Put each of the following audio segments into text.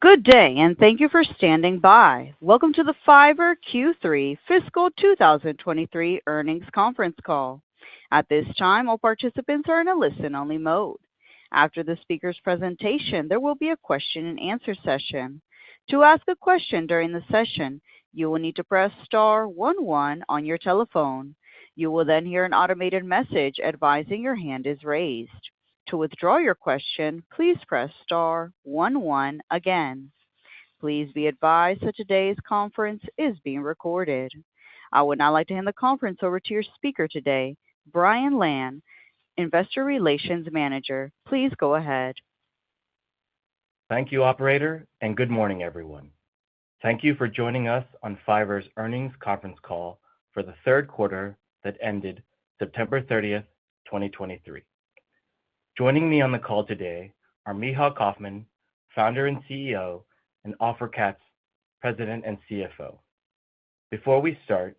Good day, and thank you for standing by. Welcome to the Fiverr Q3 fiscal 2023 Earnings Conference Call. At this time, all participants are in a listen-only mode. After the speaker's presentation, there will be a question-and-answer session. To ask a question during the session, you will need to press star one one on your telephone. You will then hear an automated message advising your hand is raised. To withdraw your question, please press star one one again. Please be advised that today's conference is being recorded. I would now like to hand the conference over to your speaker today, Brian Lan, Investor Relations Manager. Please go ahead. Thank you, Operator, and good morning, everyone. Thank you for joining us on Fiverr's earnings conference call for the third quarter that ended September 30th, 2023. Joining me on the call today are Micha Kaufman, Founder and CEO, and Ofer Katz, President and CFO. Before we start,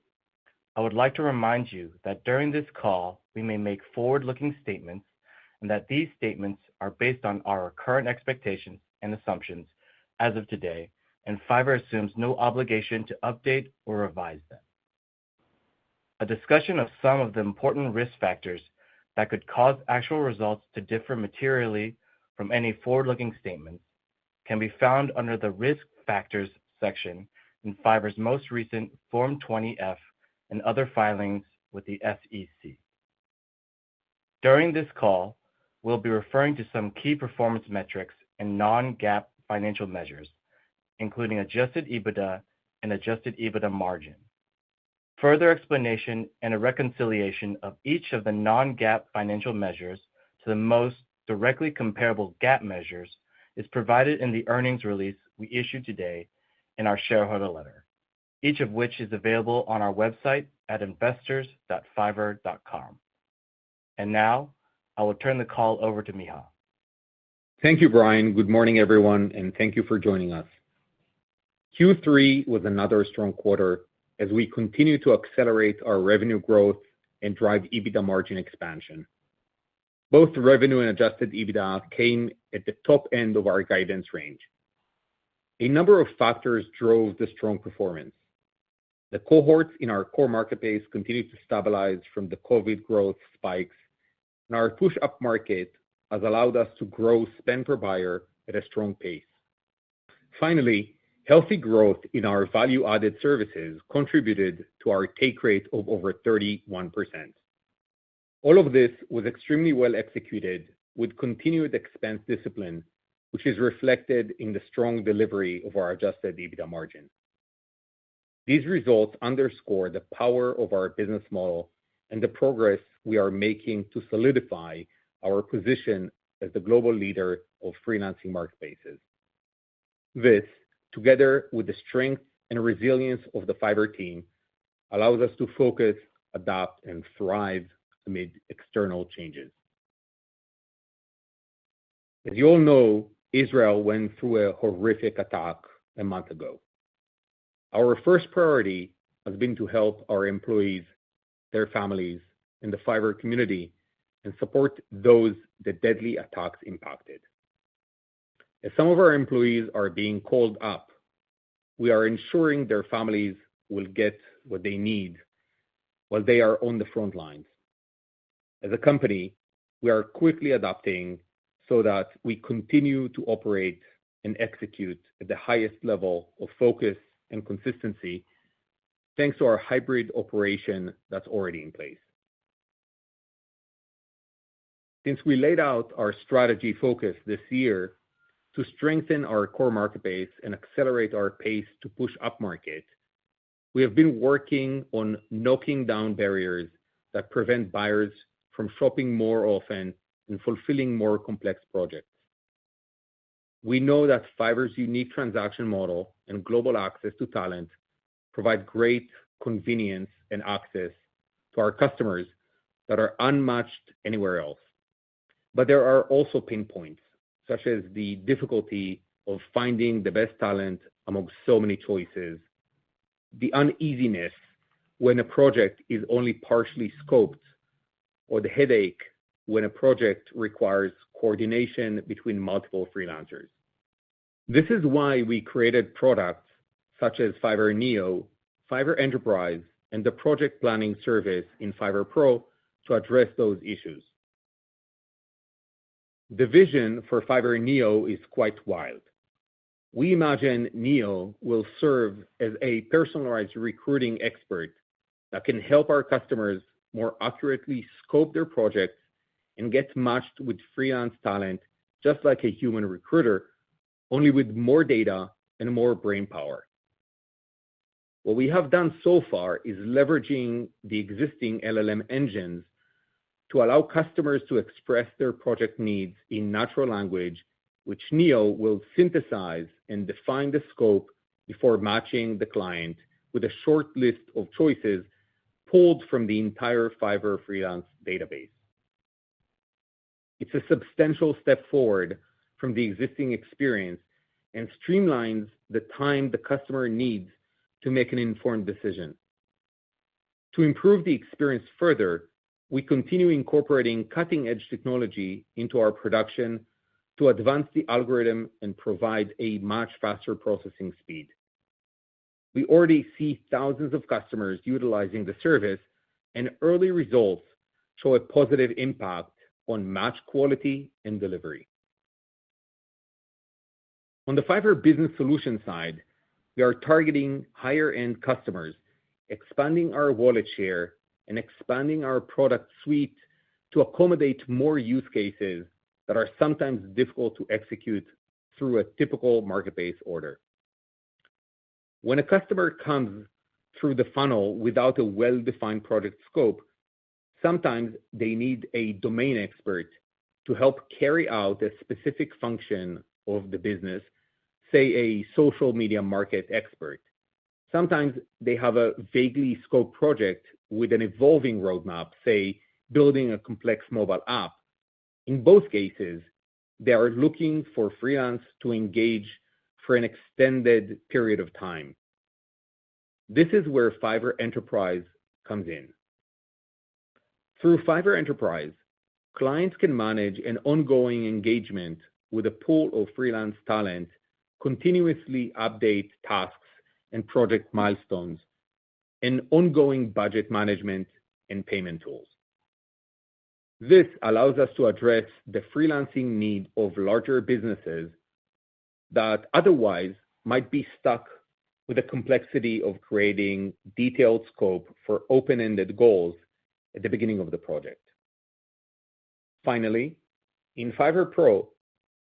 I would like to remind you that during this call, we may make forward-looking statements and that these statements are based on our current expectations and assumptions as of today, and Fiverr assumes no obligation to update or revise them. A discussion of some of the important risk factors that could cause actual results to differ materially from any forward-looking statements can be found under the Risk Factors section in Fiverr's most recent Form 20-F and other filings with the SEC. During this call, we'll be referring to some key performance metrics and non-GAAP financial measures, including adjusted EBITDA and adjusted EBITDA margin. Further explanation and a reconciliation of each of the non-GAAP financial measures to the most directly comparable GAAP measures is provided in the earnings release we issued today in our shareholder letter, each of which is available on our website at investors.fiverr.com. Now, I will turn the call over to Micha. Thank you, Brian. Good morning, everyone, and thank you for joining us. Q3 was another strong quarter as we continue to accelerate our revenue growth and drive EBITDA margin expansion. Both revenue and adjusted EBITDA came at the top end of our guidance range. A number of factors drove the strong performance. The cohorts in our core marketplace continued to stabilize from the COVID growth spikes, and our push upmarket has allowed us to grow spend per buyer at a strong pace. Finally, healthy growth in our value-added services contributed to our take rate of over 31%. All of this was extremely well executed with continued expense discipline, which is reflected in the strong delivery of our adjusted EBITDA margin. These results underscore the power of our business model and the progress we are making to solidify our position as the global leader of freelancing marketplaces. This, together with the strength and resilience of the Fiverr team, allows us to focus, adapt, and thrive amid external changes. As you all know, Israel went through a horrific attack a month ago. Our first priority has been to help our employees, their families, and the Fiverr community, and support those the deadly attacks impacted. As some of our employees are being called up, we are ensuring their families will get what they need while they are on the front lines. As a company, we are quickly adapting so that we continue to operate and execute at the highest level of focus and consistency, thanks to our hybrid operation that's already in place. Since we laid out our strategy focus this year to strengthen our core market base and accelerate our pace to push upmarket, we have been working on knocking down barriers that prevent buyers from shopping more often and fulfilling more complex projects. We know that Fiverr's unique transaction model and global access to talent provide great convenience and access to our customers that are unmatched anywhere else. But there are also pain points, such as the difficulty of finding the best talent among so many choices, the uneasiness when a project is only partially scoped, or the headache when a project requires coordination between multiple freelancers. This is why we created products such as Fiverr Neo, Fiverr Enterprise, and the project planning service in Fiverr Pro to address those issues. The vision for Fiverr Neo is quite wild. We imagine Neo will serve as a personalized recruiting expert that can help our customers more accurately scope their projects and get matched with freelance talent, just like a human recruiter, only with more data and more brainpower. What we have done so far is leveraging the existing LLM engines to allow customers to express their project needs in natural language, which Neo will synthesize and define the scope before matching the client with a short list of choices pulled from the entire Fiverr freelance database. It's a substantial step forward from the existing experience and streamlines the time the customer needs to make an informed decision. To improve the experience further, we continue incorporating cutting-edge technology into our production to advance the algorithm and provide a much faster processing speed. We already see thousands of customers utilizing the service, and early results show a positive impact on match quality and delivery. On the Fiverr Business Solutions side, we are targeting higher-end customers, expanding our wallet share, and expanding our product suite to accommodate more use cases that are sometimes difficult to execute through a typical market-based order. When a customer comes through the funnel without a well-defined product scope, sometimes they need a domain expert to help carry out a specific function of the business, say, a social media market expert. Sometimes they have a vaguely scoped project with an evolving roadmap, say, building a complex mobile app. In both cases, they are looking for freelance to engage for an extended period of time. This is where Fiverr Enterprise comes in. Through Fiverr Enterprise, clients can manage an ongoing engagement with a pool of freelance talent, continuously update tasks and project milestones, and ongoing budget management and payment tools. This allows us to address the freelancing need of larger businesses that otherwise might be stuck with the complexity of creating detailed scope for open-ended goals at the beginning of the project. Finally, in Fiverr Pro,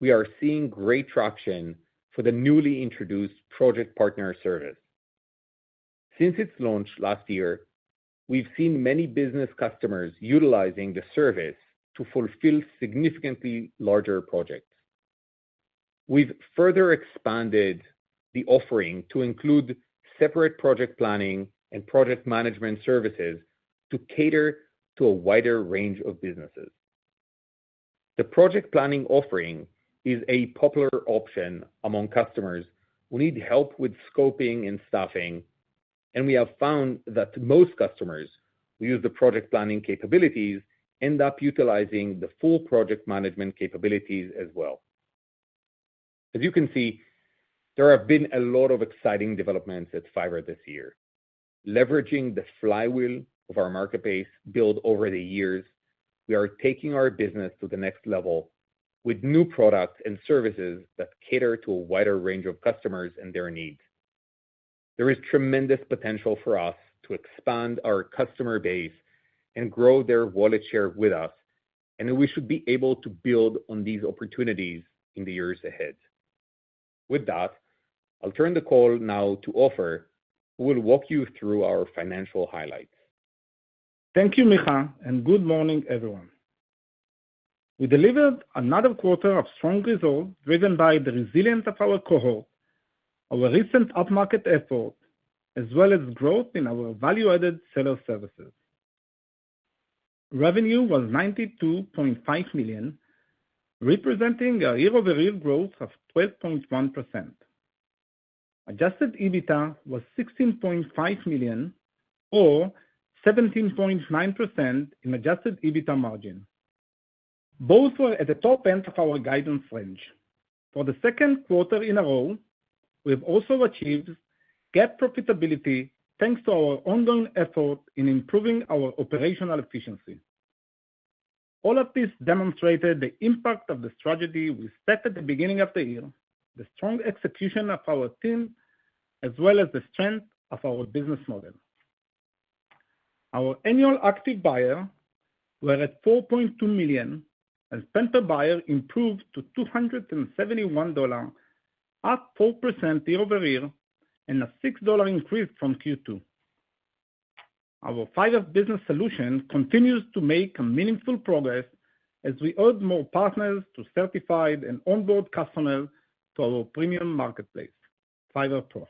we are seeing great traction for the newly introduced Project Partner service. Since its launch last year, we've seen many business customers utilizing the service to fulfill significantly larger projects. We've further expanded the offering to include separate project planning and project management services to cater to a wider range of businesses. The project planning offering is a popular option among customers who need help with scoping and staffing, and we have found that most customers who use the project planning capabilities end up utilizing the full project management capabilities as well. As you can see, there have been a lot of exciting developments at Fiverr this year. Leveraging the flywheel of our marketplace, built over the years, we are taking our business to the next level with new products and services that cater to a wider range of customers and their needs. There is tremendous potential for us to expand our customer base and grow their wallet share with us, and we should be able to build on these opportunities in the years ahead. With that, I'll turn the call now to Ofer, who will walk you through our financial highlights. Thank you, Micha, and good morning, everyone. We delivered another quarter of strong results, driven by the resilience of our cohort, our recent upmarket effort, as well as growth in our value-added seller services. Revenue was $92.5 million, representing a year-over-year growth of 12.1%. Adjusted EBITDA was $16.5 million, or 17.9% adjusted EBITDA margin. Both were at the top end of our guidance range. For the second quarter in a row, we've also achieved GAAP profitability, thanks to our ongoing effort in improving our operational efficiency. All of this demonstrated the impact of the strategy we set at the beginning of the year, the strong execution of our team, as well as the strength of our business model. Our annual active buyers were at 4.2 million, and spend per buyer improved to $271, up 4% year-over-year, and a $6 increase from Q2. Our Fiverr Business Solutions continues to make meaningful progress as we add more partners to Certified and onboard customers to our premium marketplace, Fiverr Pro.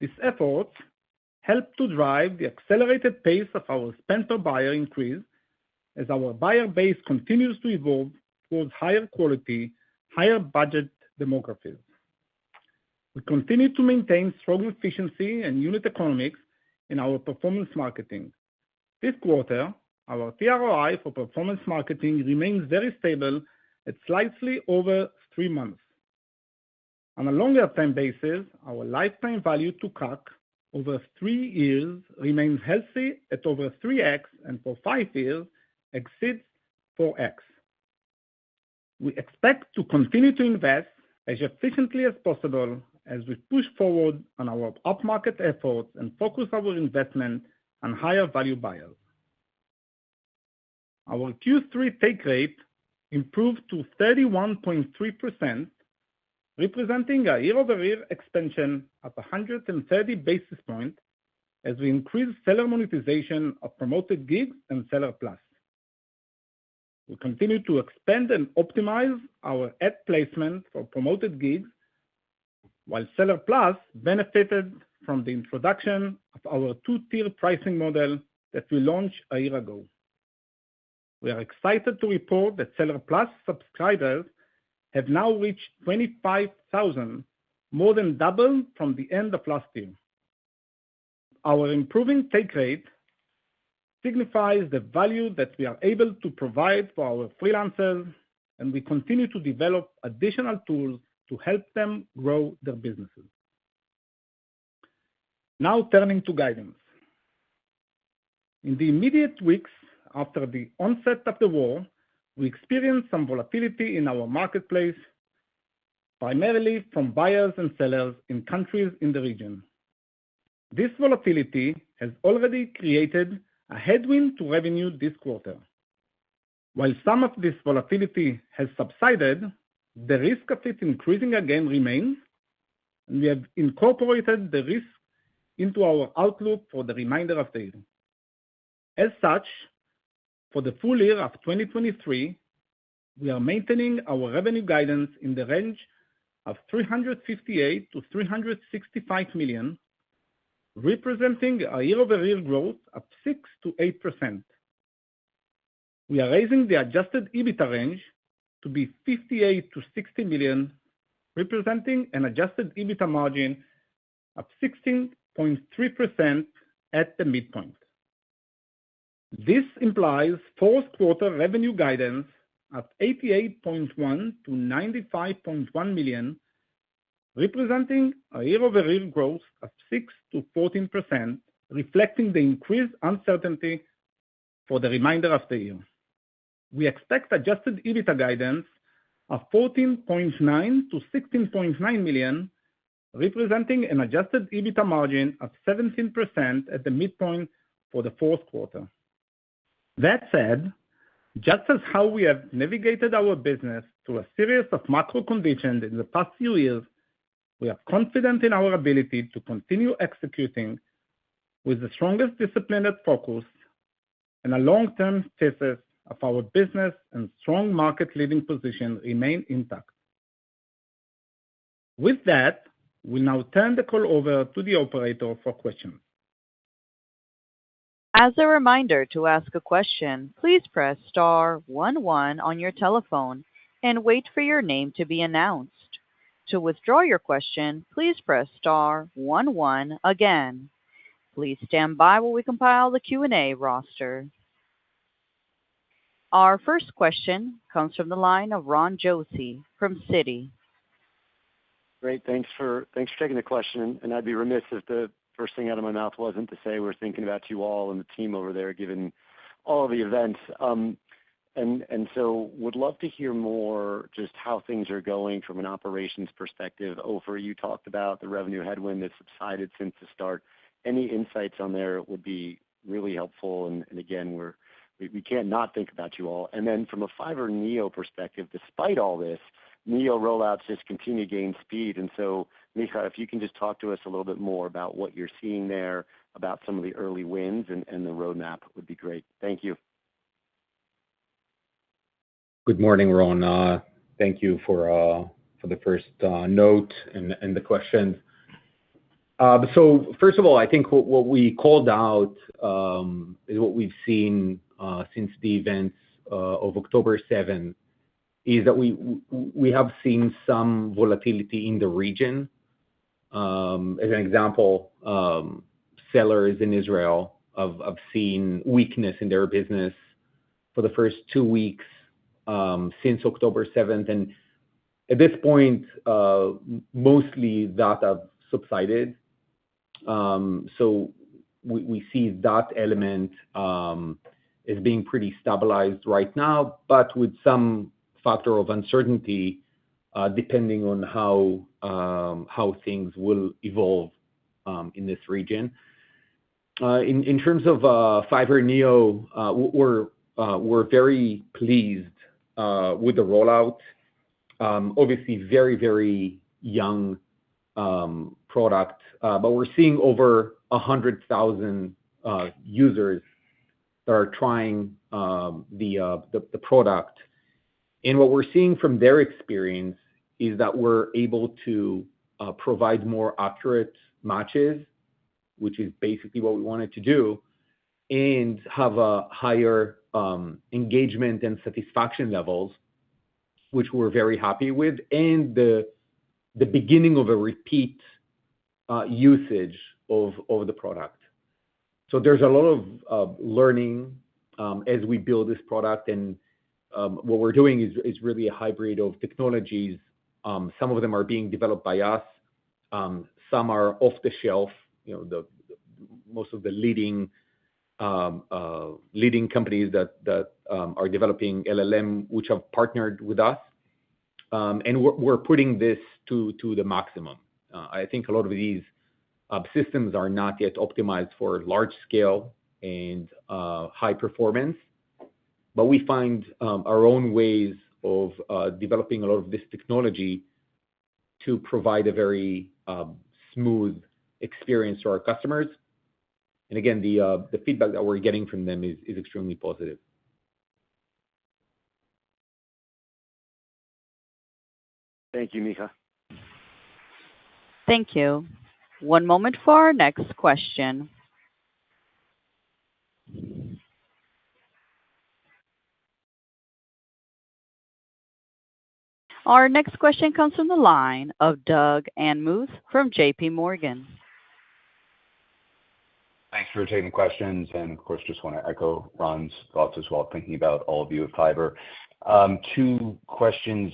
These efforts helped to drive the accelerated pace of our spend-per-buyer increase as our buyer base continues to evolve towards higher quality, higher budget demographics. We continue to maintain strong efficiency and unit economics in our performance marketing. This quarter, our tROI for performance marketing remains very stable, at slightly over three months. On a longer time basis, our lifetime value to CAC over three years remains healthy at over 3x, and for five years, exceeds 4x. We expect to continue to invest as efficiently as possible as we push forward on our upmarket efforts and focus our investment on higher value buyers. Our Q3 take rate improved to 31.3%, representing a year-over-year expansion of 130 basis points, as we increased seller monetization of Promoted Gigs and Seller Plus. We continue to expand and optimize our ad placement for Promoted Gigs, while Seller Plus benefited from the introduction of our two-tier pricing model that we launched a year ago. We are excited to report that Seller Plus subscribers have now reached 25,000, more than double from the end of last year. Our improving take rate signifies the value that we are able to provide for our freelancers, and we continue to develop additional tools to help them grow their businesses. Now turning to guidance. In the immediate weeks after the onset of the war, we experienced some volatility in our marketplace, primarily from buyers and sellers in countries in the region. This volatility has already created a headwind to revenue this quarter. While some of this volatility has subsided, the risk of it increasing again remains, and we have incorporated the risk into our outlook for the remainder of the year. As such, for the full year of 2023, we are maintaining our revenue guidance in the range of $358 million-$365 million, representing a year-over-year growth of 6%-8%. We are raising the adjusted EBITDA range to be $58 million-$60 million, representing an adjusted EBITDA margin of 16.3% at the midpoint. This implies fourth quarter revenue guidance at $88.1 million-$95.1 million, representing a year-over-year growth of 6%-14%, reflecting the increased uncertainty for the remainder of the year. We expect adjusted EBITDA guidance of $14.9 million-$16.9 million, representing an adjusted EBITDA margin of 17% at the midpoint for the fourth quarter. That said, just as how we have navigated our business through a series of macro conditions in the past few years, we are confident in our ability to continue executing with the strongest disciplined focus and a long-term thesis of our business and strong market-leading position remain intact. With that, we'll now turn the call over to the Operator for questions. As a reminder, to ask a question, please press star one one on your telephone and wait for your name to be announced. To withdraw your question, please press star one one again. Please stand by while we compile the Q&A roster. Our first question comes from the line of Ron Josey from Citi. Great. Thanks for taking the question, and I'd be remiss if the first thing out of my mouth wasn't to say we're thinking about you all and the team over there, given all the events. And so would love to hear more just how things are going from an operations perspective. Ofer, you talked about the revenue headwind that's subsided since the start. Any insights on there would be really helpful, and again, we're we can't not think about you all. And then from a Fiverr Neo perspective, despite all this, Neo rollouts just continue to gain speed. And so Micha, if you can just talk to us a little bit more about what you're seeing there, about some of the early wins and the roadmap would be great. Thank you. Good morning, Ron. Thank you for the first note and the question. So first of all, I think what we called out is what we've seen since the events of October 7th, is that we have seen some volatility in the region. As an example, sellers in Israel have seen weakness in their business for the first two weeks since October 7th, and at this point, mostly that have subsided. So we see that element as being pretty stabilized right now, but with some factor of uncertainty depending on how things will evolve in this region. In terms of Fiverr Neo, we're very pleased with the rollout. Obviously very, very young product, but we're seeing over 100,000 users are trying the product. And what we're seeing from their experience is that we're able to provide more accurate matches, which is basically what we wanted to do, and have a higher engagement and satisfaction levels, which we're very happy with, and the beginning of a repeat usage of the product. So there's a lot of learning as we build this product, and what we're doing is really a hybrid of technologies. Some of them are being developed by us, some are off-the-shelf, you know, the most of the leading companies that are developing LLM, which have partnered with us, and we're putting this to the maximum. I think a lot of these systems are not yet optimized for large scale and high performance, but we find our own ways of developing a lot of this technology to provide a very smooth experience to our customers. And again, the feedback that we're getting from them is extremely positive. Thank you, Micha. Thank you. One moment for our next question. Our next question comes from the line of Doug Anmuth from JPMorgan. Thanks for taking the questions, and of course, just want to echo Ron's thoughts as well, thinking about all of you at Fiverr. Two questions.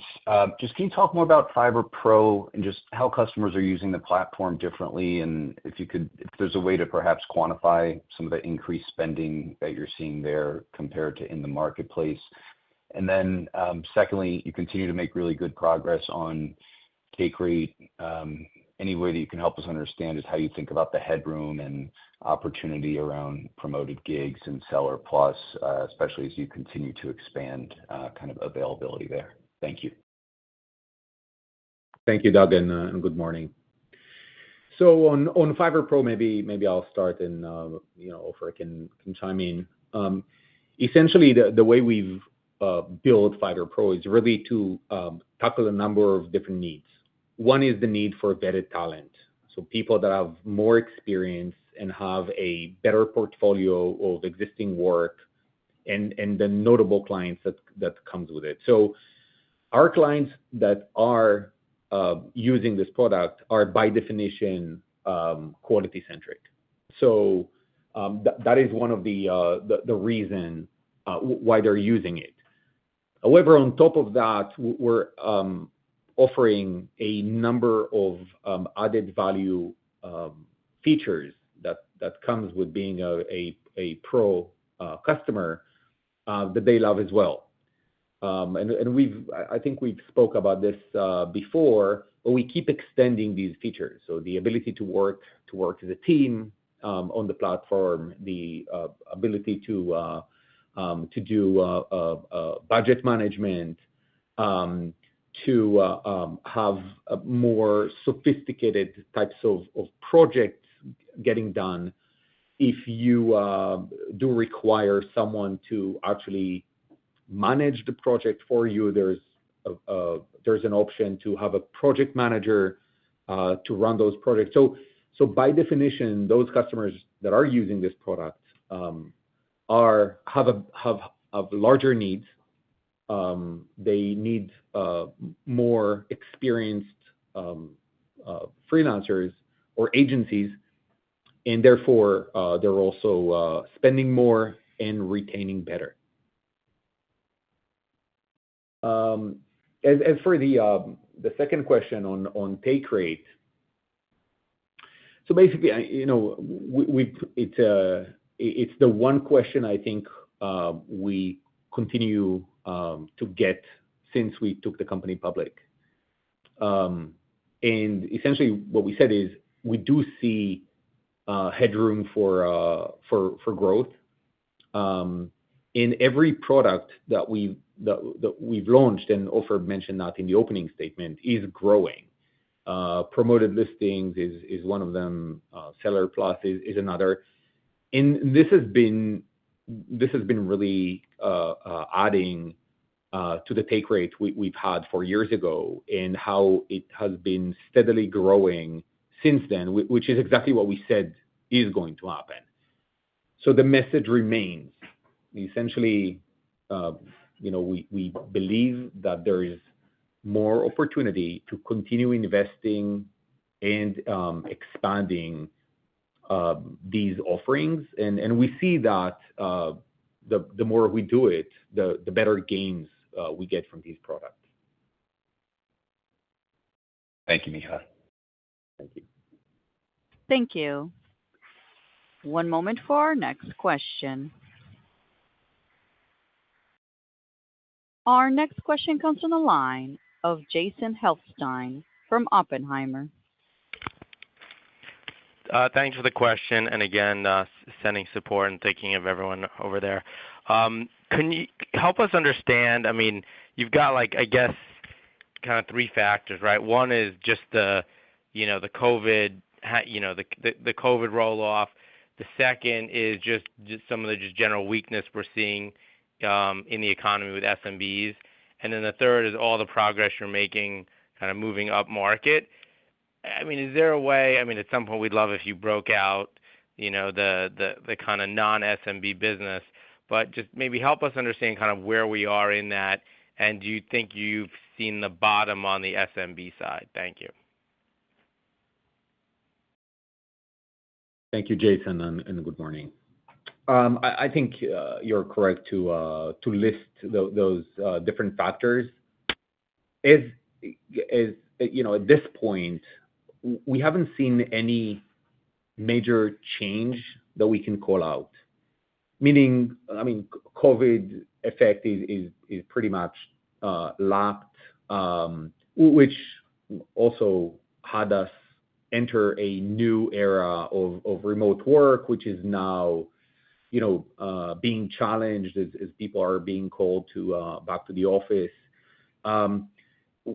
Just can you talk more about Fiverr Pro and just how customers are using the platform differently? And if you could, if there's a way to perhaps quantify some of the increased spending that you're seeing there compared to in the marketplace. And then, secondly, you continue to make really good progress on take rate. Any way that you can help us understand just how you think about the headroom and opportunity around promoted gigs and Seller Plus, especially as you continue to expand, kind of availability there? Thank you. Thank you, Doug, and good morning. So on Fiverr Pro, maybe I'll start then, you know, Ofer can chime in. Essentially the way we've built Fiverr Pro is really to tackle a number of different needs. One is the need for vetted talent, so people that have more experience and have a better portfolio of existing work and the notable clients that comes with it. So our clients that are using this product are by definition quality-centric. So that is one of the reasons why they're using it. However, on top of that, we're offering a number of added value features that comes with being a Pro customer that they love as well. I think we've spoke about this before, but we keep extending these features, so the ability to work as a team on the platform, the ability to do budget management, to have a more sophisticated types of projects getting done. If you do require someone to actually manage the project for you, there's an option to have a project manager to run those projects. So by definition, those customers that are using this product have larger needs, they need more experienced freelancers or agencies, and therefore they're also spending more and retaining better. As for the second question on take rate, so basically, you know, it's the one question I think we continue to get since we took the company public. And essentially what we said is we do see headroom for growth in every product that we've launched, and Ofer mentioned that in the opening statement, it's growing. Promoted Gigs is one of them, Seller Plus is another. And this has been really adding to the take rate we've had four years ago, and how it has been steadily growing since then, which is exactly what we said is going to happen. So the message remains. Essentially, you know, we believe that there is more opportunity to continue investing and expanding these offerings. We see that the more we do it, the better gains we get from these products. Thank you, Micha. Thank you. Thank you. One moment for our next question. Our next question comes from the line of Jason Helfstein from Oppenheimer. Thanks for the question, and again, sending support and thinking of everyone over there. Can you help us understand? I mean, you've got like, I guess, kind of three factors, right? One is just the, you know, the COVID roll-off. The second is just some of the general weakness we're seeing in the economy with SMBs. And then the third is all the progress you're making, kind of moving upmarket. I mean, is there a way? At some point we'd love if you broke out, you know, the kind of non-SMB business, but just maybe help us understand kind of where we are in that, and do you think you've seen the bottom on the SMB side? Thank you. Thank you, Jason, and good morning. I think you're correct to list those different factors. As you know, at this point, we haven't seen any major change that we can call out, meaning, I mean, COVID effect is pretty much lapsed, which also had us enter a new era of remote work, which is now, you know, being challenged as people are being called back to the office.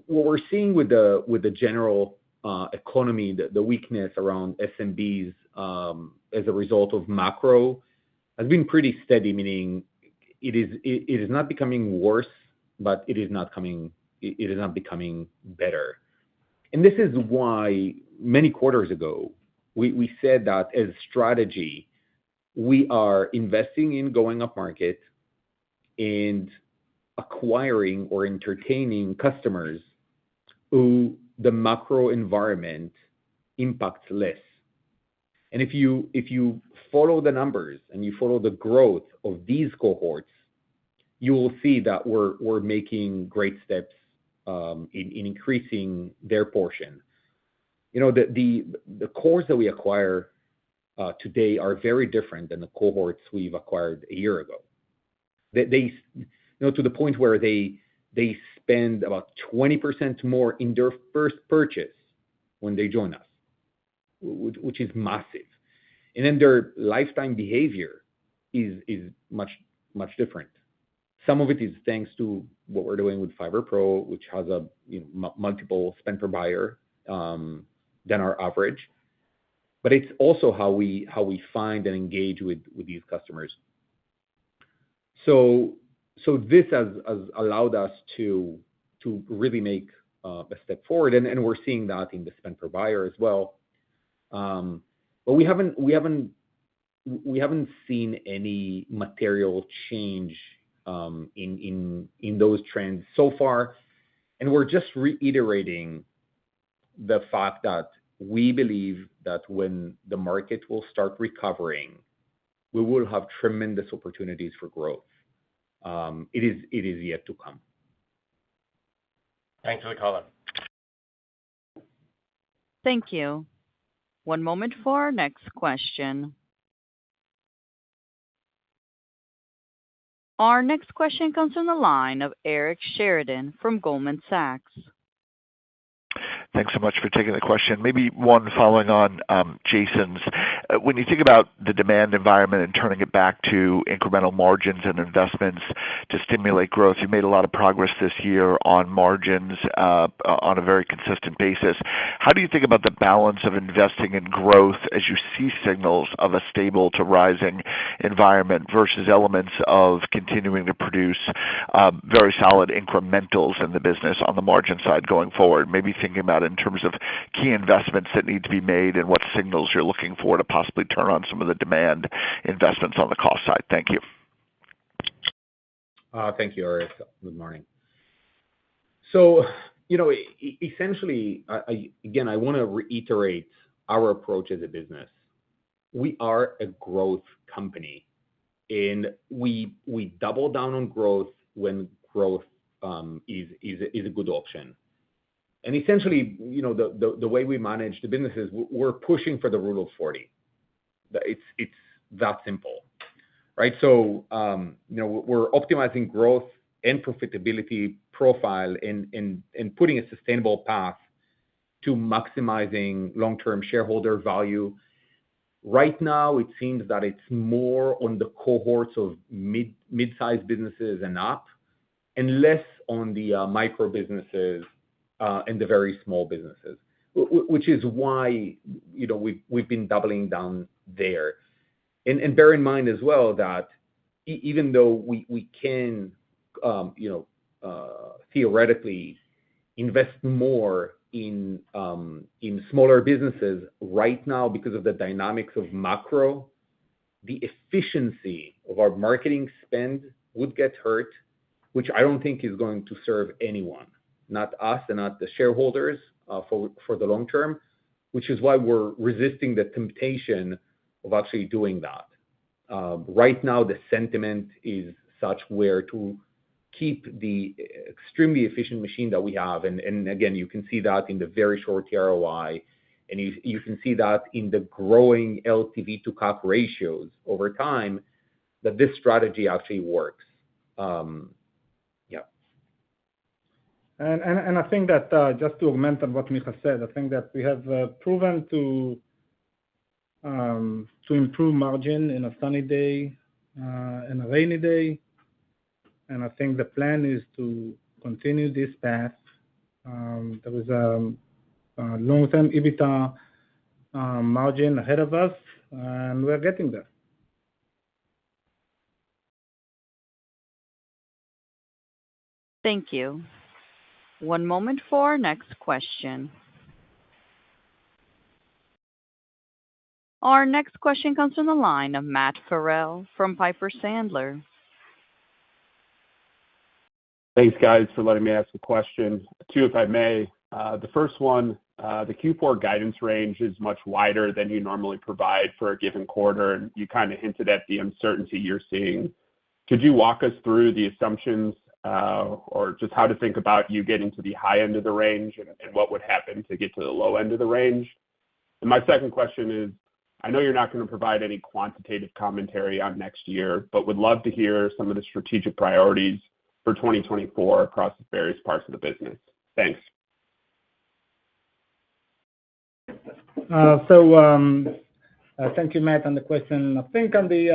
What we're seeing with the general economy, the weakness around SMBs as a result of macro, has been pretty steady, meaning it is not becoming worse, but it is not becoming better. This is why many quarters ago, we said that as strategy, we are investing in going upmarket and acquiring or entertaining customers who the macro environment impacts less. And if you follow the numbers and you follow the growth of these cohorts, you will see that we're making great steps in increasing their portion. You know, the cohorts that we acquire today are very different than the cohorts we've acquired a year ago. They, you know, to the point where they spend about 20% more in their first purchase when they join us, which is massive. And then their lifetime behavior is much, much different. Some of it is thanks to what we're doing with Fiverr Pro, which has a, you know, multiple spend per buyer than our average, but it's also how we find and engage with these customers. So this has allowed us to really make a step forward, and we're seeing that in the spend per buyer as well. But we haven't seen any material change in those trends so far. And we're just reiterating the fact that we believe that when the market will start recovering, we will have tremendous opportunities for growth. It is yet to come. Thanks for the color. Thank you. One moment for our next question. Our next question comes from the line of Eric Sheridan from Goldman Sachs. Thanks so much for taking the question. Maybe one following on Jason's. When you think about the demand environment and turning it back to incremental margins and investments to stimulate growth, you made a lot of progress this year on margins, on a very consistent basis. How do you think about the balance of investing in growth as you see signals of a stable to rising environment, versus elements of continuing to produce very solid incrementals in the business on the margin side going forward? Maybe thinking about in terms of key investments that need to be made, and what signals you're looking for to possibly turn on some of the demand investments on the cost side. Thank you. Thank you, Eric. Good morning. So, you know, essentially, again, I wanna reiterate our approach as a business. We are a growth company, and we double down on growth when growth is a good option. And essentially, you know, the way we manage the business is we're pushing for the Rule of 40. It's that simple, right? So, you know, we're optimizing growth and profitability profile and putting a sustainable path to maximizing long-term shareholder value. Right now, it seems that it's more on the cohorts of mid-sized businesses and up, and less on the micro businesses and the very small businesses, which is why, you know, we've been doubling down there. Bear in mind as well that even though we can, you know, theoretically invest more in smaller businesses right now because of the dynamics of macro, the efficiency of our marketing spend would get hurt, which I don't think is going to serve anyone, not us, and not the shareholders, for the long term, which is why we're resisting the temptation of actually doing that. Right now, the sentiment is such where to keep the extremely efficient machine that we have, and again, you can see that in the very short tROI, and you can see that in the growing LTV to CAC ratios over time that this strategy actually works. Yeah. Just to augment on what Micha said, I think that we have proven to improve margin in a sunny day, in a rainy day, and I think the plan is to continue this path. There is a long-term EBITDA margin ahead of us, and we're getting there. Thank you. One moment for our next question. Our next question comes from the line of Matt Farrell from Piper Sandler. Thanks, guys, for letting me ask a question. Two, if I may. The first one, the Q4 guidance range is much wider than you normally provide for a given quarter, and you kinda hinted at the uncertainty you're seeing. Could you walk us through the assumptions, or just how to think about you getting to the high end of the range, and what would happen to get to the low end of the range? And my second question is I know you're not gonna provide any quantitative commentary on next year, but would love to hear some of the strategic priorities for 2024 across the various parts of the business. Thanks. So, thank you, Matt, on the question. I think on the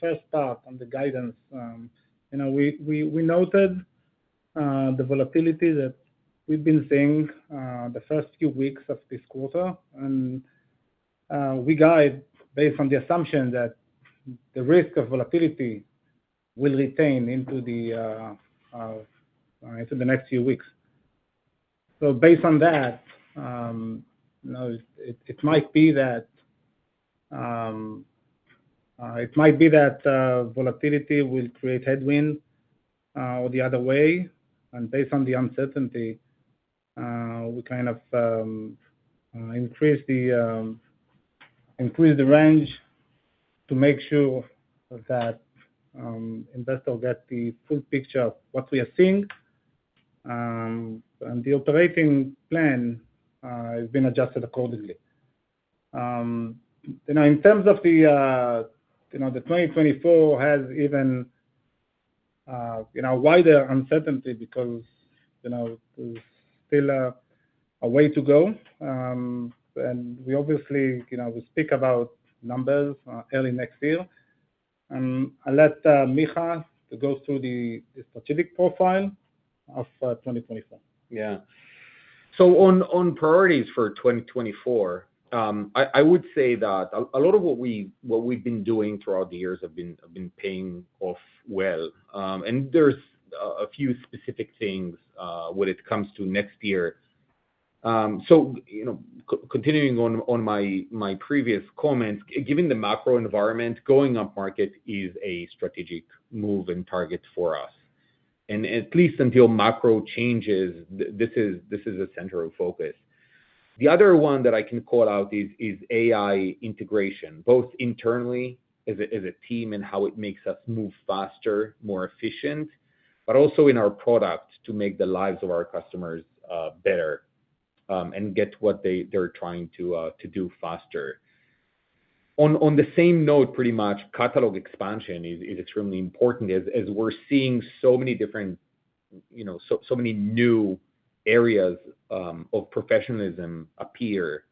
first part, on the guidance, you know, we noted the volatility that we've been seeing, the first few weeks of this quarter. And we guide based on the assumption that the risk of volatility will remain into the next few weeks. So based on that, you know, it might be that volatility will create headwind or the other way. And based on the uncertainty, we kind of increased the range to make sure that investors get the full picture of what we are seeing. And the operating plan has been adjusted accordingly. You know, in terms of the, you know, the 2024 has even, you know, wider uncertainty because, you know, there's still a way to go. And we obviously, you know, we speak about numbers early next year. And I'll let Micha go through the strategic profile of 2024. Yeah. So on priorities for 2024, I would say that a lot of what we've been doing throughout the years have been paying off well. And there's a few specific things when it comes to next year. So, you know, continuing on my previous comments, given the macro environment, going upmarket is a strategic move and target for us, and at least until macro changes, this is a central focus. The other one that I can call out is AI integration, both internally, as a team and how it makes us move faster, more efficient, but also in our products, to make the lives of our customers better, and get what they're trying to do faster. On the same note, pretty much, catalog expansion is extremely important, as we're seeing so many different, you know, so many new areas of professionalism appear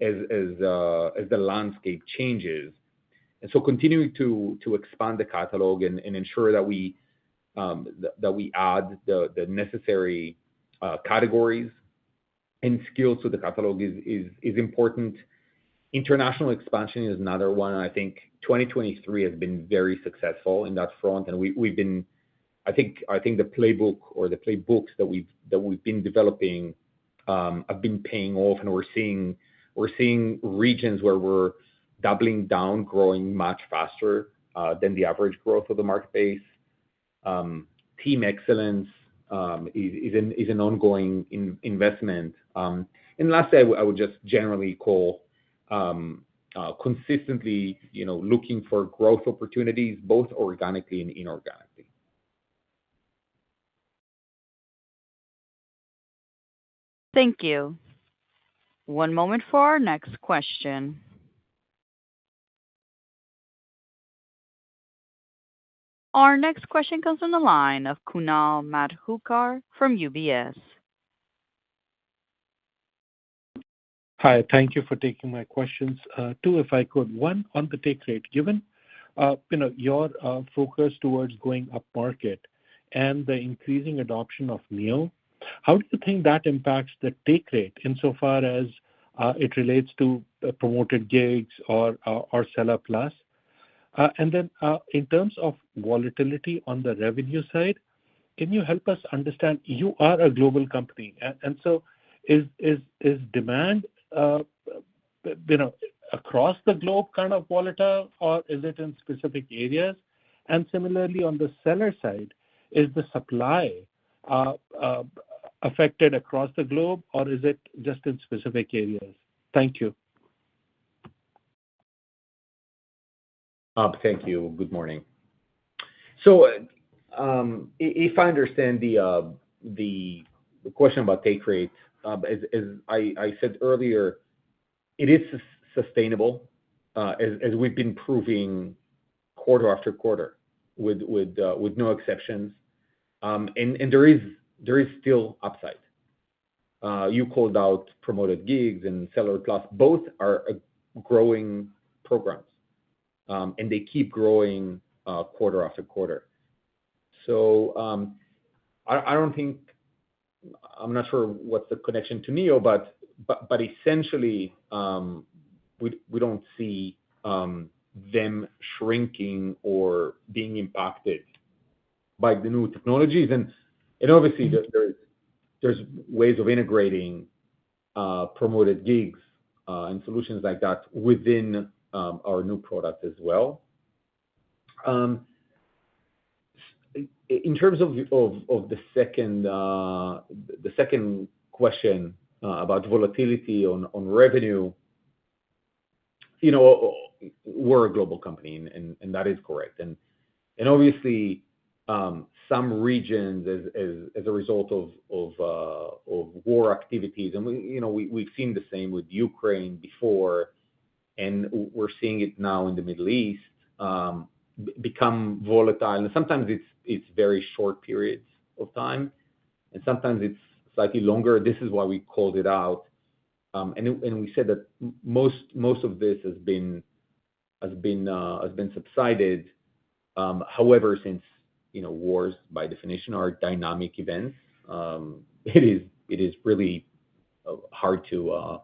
as the landscape changes. And so continuing to expand the catalog and ensure that we add the necessary categories and skills to the catalog is important. International expansion is another one. I think 2023 has been very successful in that front. I think the playbook or the playbooks that we've been developing have been paying off, and we're seeing regions where we're doubling down growing much faster than the average growth of the market base. Team excellence is an ongoing investment. And lastly, I would just generally call consistently, you know, looking for growth opportunities, both organically and inorganically. Thank you. One moment for our next question. Our next question comes on the line of Kunal Madhukar from UBS. Hi, thank you for taking my questions, two if I could. One, on the take rate, given, you know, your focus towards going upmarket and the increasing adoption of Neo, how do you think that impacts the take rate in so far as it relates to Promoted Gigs or Seller Plus? And then, in terms of volatility on the revenue side, can you help us understand, you are a global company, and so is demand, you know, across the globe, kind of volatile, or is it in specific areas? And similarly, on the seller side, is the supply affected across the globe, or is it just in specific areas? Thank you. Thank you. Good morning. So, if I understand the question about take rate, as I said earlier, it is sustainable, as we've been proving quarter after quarter with no exceptions. And there is still upside. You called out Promoted Gigs and Seller Plus. Both are growing programs, and they keep growing quarter after quarter. So, I'm not sure what's the connection to Neo, but essentially, we don't see them shrinking or being impacted by the new technologies. And obviously, there's ways of integrating Promoted Gigs and solutions like that within our new product as well. In terms of the second question about volatility on revenue, you know, we're a global company, and that is correct. And obviously, some regions as a result of war activities, and you know, we've seen the same with Ukraine before, and we're seeing it now in the Middle East, become volatile. And sometimes it's very short periods of time, and sometimes it's slightly longer. This is why we called it out. And we said that most of this has been subsided. However, since you know wars by definition are dynamic events, it is really hard to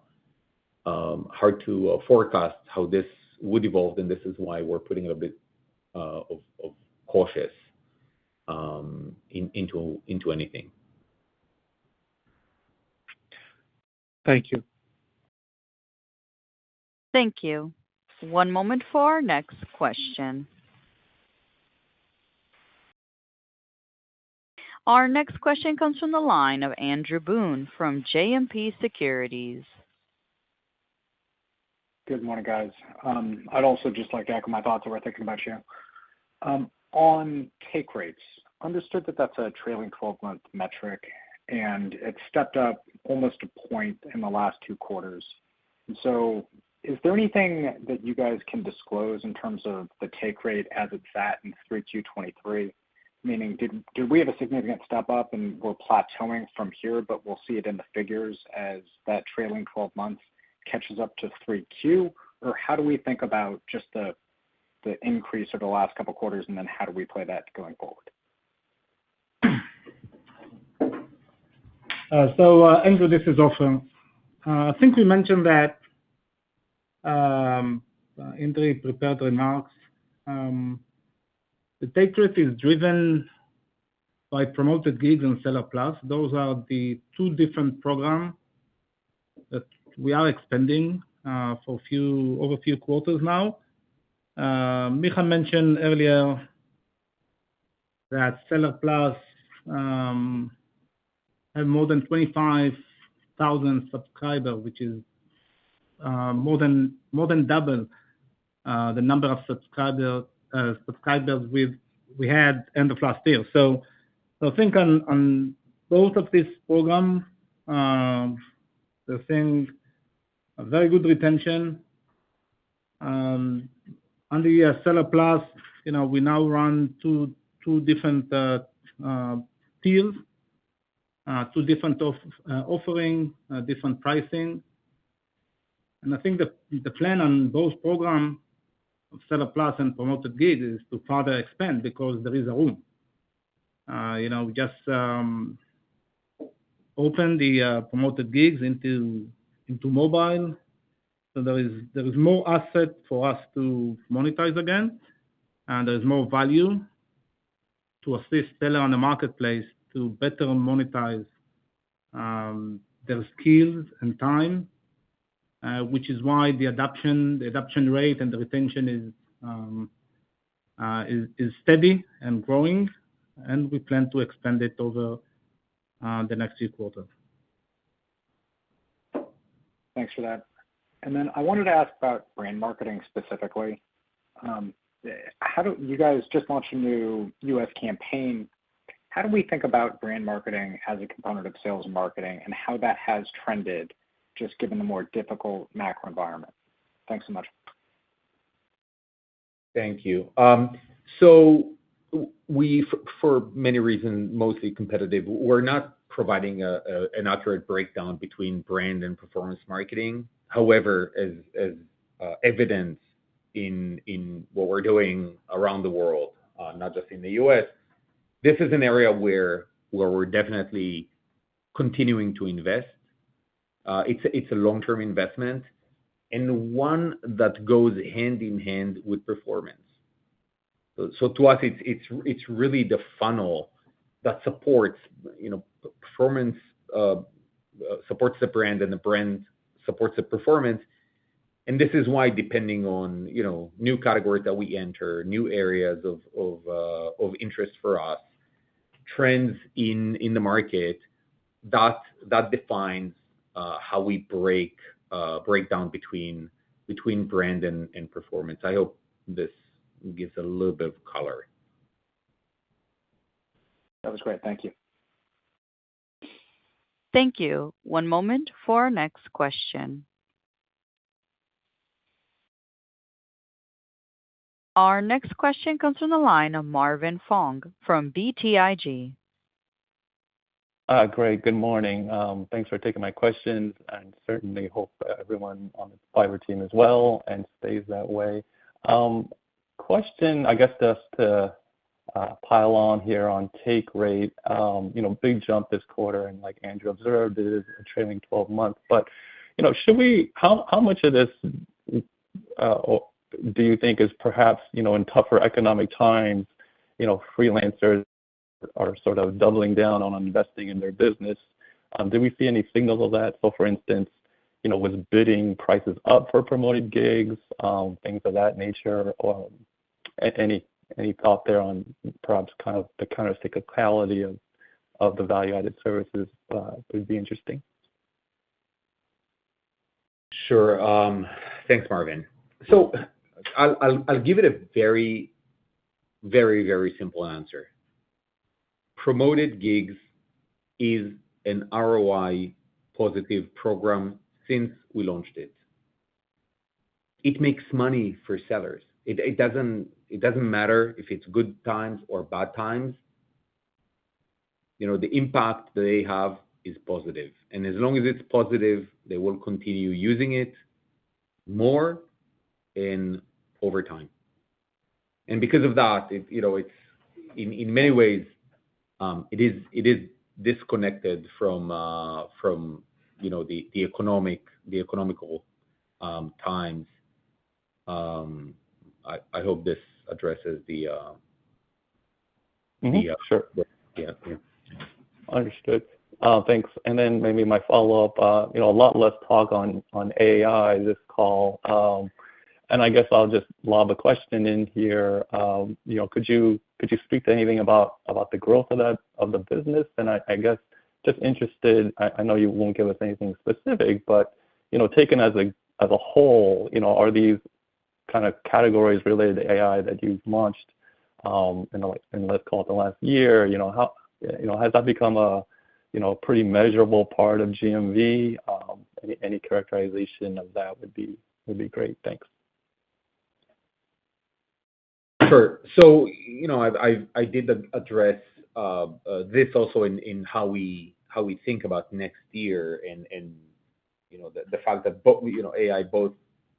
forecast how this would evolve, and this is why we're putting a bit of caution into anything. Thank you. Thank you. One moment for our next question. Our next question comes from the line of Andrew Boone from JMP Securities. Good morning, guys. I'd also just like to echo my thoughts that we're thinking about you. On take rates, understood that that's a trailing 12-month metric, and it stepped up almost a point in the last two quarters. So is there anything that you guys can disclose in terms of the take rate as it sat in Q3 2023? Meaning, did we have a significant step up and we're plateauing from here, but we'll see it in the figures as that trailing 12 months catches up to 3Q? Or how do we think about just the increase over the last couple of quarters, and then how do we play that going forward? So, Andrew, this is Ofer. I think we mentioned that in the prepared remarks, the take rate is driven by Promoted Gigs and Seller Plus. Those are the two different program that we are expanding over a few quarters now. Micha mentioned earlier that Seller Plus has more than 25,000 subscriber, which is more than double the number of subscribers we had in the last deal. So I think on both of these programs, we're seeing a very good retention. Under the Seller Plus, you know, we now run two different deals, two different offering different pricing. And I think the plan on both programs, Seller Plus and Promoted Gigs, is to further expand because there is room. You know, we just opened the Promoted Gigs into mobile, so there is more asset for us to monetize again, and there's more value to assist seller on the marketplace to better monetize their skills and time, which is why the adoption rate and the retention is steady and growing, and we plan to expand it over the next few quarters. Thanks for that. Then I wanted to ask about brand marketing specifically. You guys just launched a new U.S. campaign. How do we think about brand marketing as a component of sales and marketing, and how that has trended, just given the more difficult macro environment? Thanks so much. Thank you. So, for many reasons, mostly competitive, we're not providing an accurate breakdown between brand and performance marketing. However, as evidenced in what we're doing around the world, not just in the U.S., this is an area where we're definitely continuing to invest. It's a long-term investment, and one that goes hand in hand with performance. So to us, it's really the funnel that supports, you know, performance, supports the brand, and the brand supports the performance. And this is why, depending on, you know, new categories that we enter, new areas of interest for us, trends in the market, that defines how we break down between brand and performance. I hope this gives a little bit of color. That was great. Thank you. Thank you. One moment for our next question. Our next question comes from the line of Marvin Fong from BTIG. Great. Good morning. Thanks for taking my questions, and certainly hope everyone on the Fiverr team is well and stays that way. Question, I guess, just to pile on here on take rate. You know, big jump this quarter, and like Andrew observed, it is a trailing 12 months. But how much of this do you think is perhaps, you know, in tougher economic times, you know, freelancers are sort of doubling down on investing in their business? Do we see any signals of that? So, for instance, you know, was bidding prices up for Promoted Gigs, things of that nature, or any thought there on perhaps kind of the countercyclicality of the value-added services, would be interesting. Sure. Thanks, Marvin. So I'll give it a very simple answer. Promoted Gigs is an ROI-positive program since we launched it. It makes money for sellers. It doesn't matter if it's good times or bad times. You know, the impact they have is positive, and as long as it's positive, they will continue using it more and over time. And because of that, it, you know, it's in many ways, it is disconnected from, you know, the economical times. I hope this addresses the question. Sure. Yeah. Yeah. Understood. Thanks. And then maybe my follow-up. You know, a lot less talk on AI this call, and I guess I'll just lob a question in here. You know, could you speak to anything about the growth of that business? And I guess just interested, I know you won't give us anything specific, but you know, taken as a whole, you know, are these kind of categories related to AI that you've launched in, like, let's call it the last year? You know, has that become a pretty measurable part of GMV? Any characterization of that would be great. Thanks. Sure. So, you know, I did address this also in how we think about next year, and you know, the fact that, you know, AI both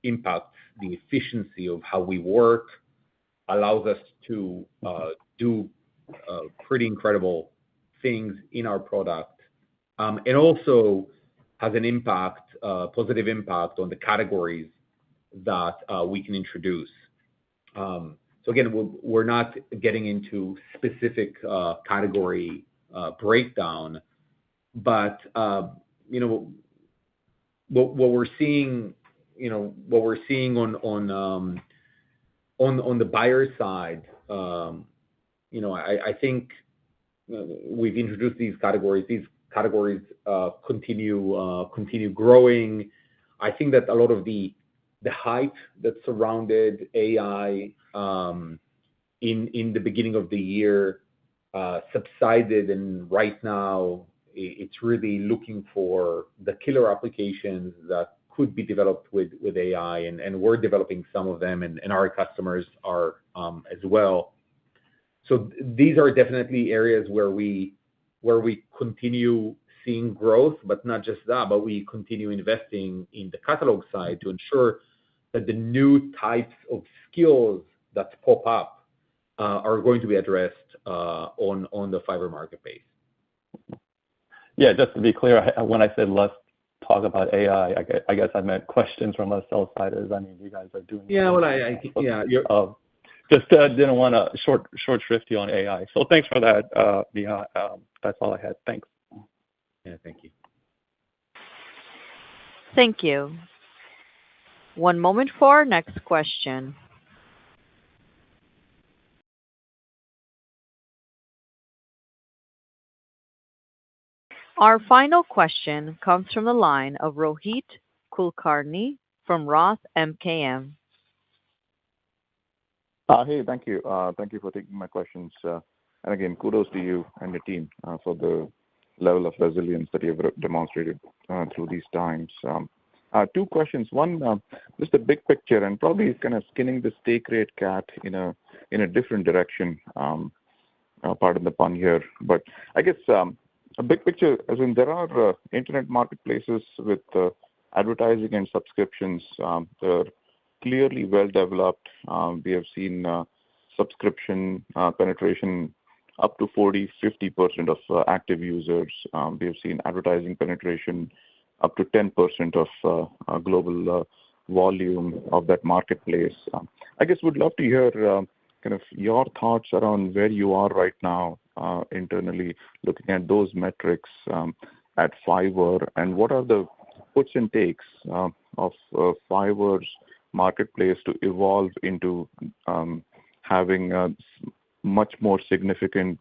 impacts the efficiency of how we work, allows us to do pretty incredible things in our product, and also has an impact, a positive impact on the categories that we can introduce. So again, we're not getting into specific category breakdown, but you know, what we're seeing on the buyer side, you know, I think we've introduced these categories continue growing. I think that a lot of the hype that surrounded AI in the beginning of the year subsided, and right now it's really looking for the killer applications that could be developed with AI, and we're developing some of them, and our customers are as well. So these are definitely areas where we continue seeing growth, but not just that, but we continue investing in the catalog side to ensure that the new types of skills that pop up are going to be addressed on the Fiverr marketplace. Yeah, just to be clear, when I said let's talk about AI, I guess I meant questions from us sell-side. I mean, you guys are doing- Yeah, yeah. Just didn't wanna short-shrift you on AI. So thanks for that, Micha. That's all I had. Thanks. Yeah. Thank you. Thank you. One moment for our next question. Our final question comes from the line of Rohit Kulkarni from Roth MKM. Hey, thank you. Thank you for taking my questions. And again, kudos to you and your team for the level of resilience that you have demonstrated through these times. Two questions. One, just the big picture and probably kind of skinning this take rate cat in a different direction, pardon the pun here. But I guess, a big picture, as in, there are internet marketplaces with advertising and subscriptions that are clearly well developed. We have seen subscription penetration up to 40%, 50% of active users. We have seen advertising penetration up to 10% of global volume of that marketplace. I guess would love to hear, kind of, your thoughts around where you are right now internally, looking at those metrics at Fiverr. And what are the puts and takes of Fiverr's marketplace to evolve into having a much more significant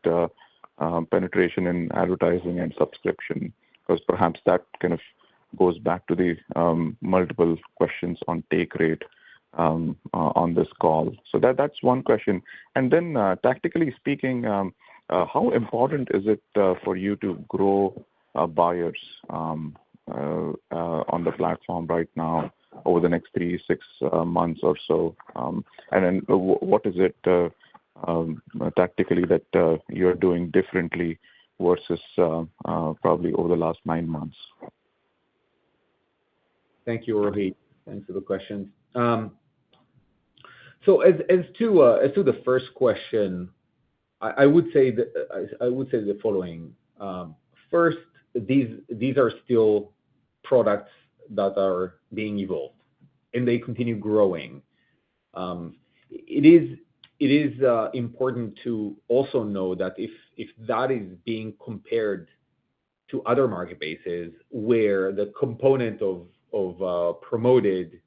penetration in advertising and subscription? Because perhaps that kind of goes back to the multiple questions on take rate on this call. So that's one question. And then, tactically speaking, how important is it for you to grow buyers on the platform right now over the next three months-six months or so? And then what is it tactically that you're doing differently versus probably over the last nine months? Thank you, Rohit. Thanks for the questions. So as to the first question, I would say the following. First, these are still products that are being evolved and they continue growing. It is important to also know that if that is being compared to other market bases, where the component of promoted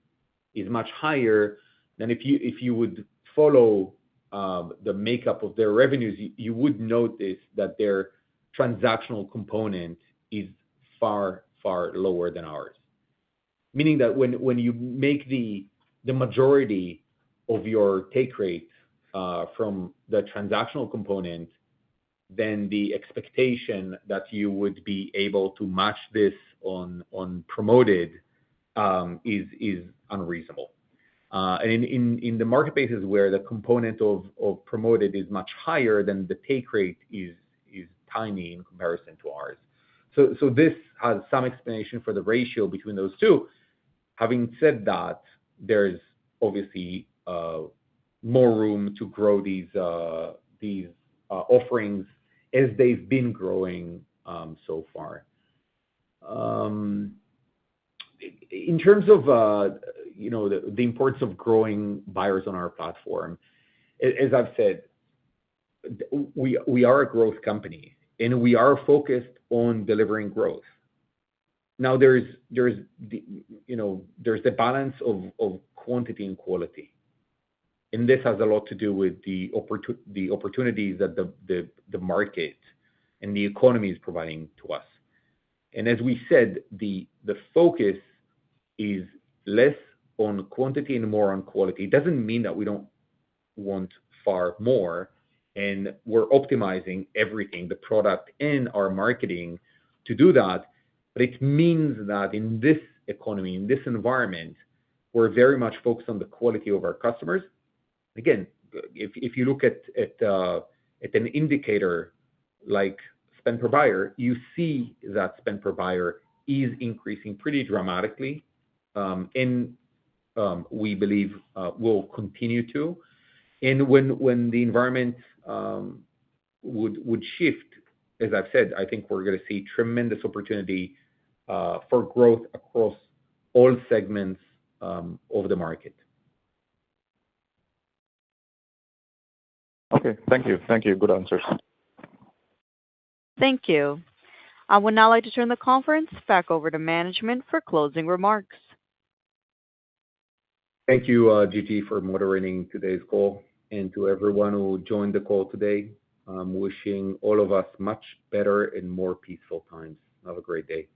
is much higher. Then if you would follow the makeup of their revenues, you would notice that their transactional component is far lower than ours. Meaning that when you make the majority of your take rate from the transactional component, then the expectation that you would be able to match this on promoted is unreasonable. And in the marketplaces where the component of promoted is much higher than the take rate is tiny in comparison to ours. So this has some explanation for the ratio between those two. Having said that, there is obviously more room to grow these offerings as they've been growing so far. In terms of, you know, the importance of growing buyers on our platform, as I've said, we are a growth company, and we are focused on delivering growth. Now, there's the, you know, balance of quantity and quality, and this has a lot to do with the opportunities that the market and the economy is providing to us. And as we said, the focus is less on quantity and more on quality. It doesn't mean that we don't want far more, and we're optimizing everything, the product and our marketing to do that, it means that in this economy, in this environment, we're very much focused on the quality of our customers. Again, if you look at an indicator like spend per buyer, you see that spend per buyer is increasing pretty dramatically, and we believe will continue to. And when the environment would shift, as I've said, I think we're gonna see tremendous opportunity for growth across all segments of the market. Okay. Thank you. Thank you. Good answers. Thank you. I would now like to turn the conference back over to management for closing remarks. Thank you, Gigi, for moderating today's call. To everyone who joined the call today, I'm wishing all of us much better and more peaceful times. Have a great day.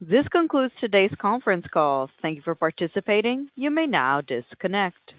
This concludes today's conference call. Thank you for participating. You may now disconnect.